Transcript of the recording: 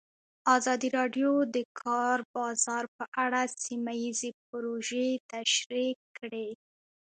ازادي راډیو د د کار بازار په اړه سیمه ییزې پروژې تشریح کړې.